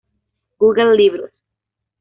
Google libros